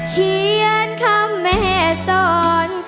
เขียนคำแม่สอน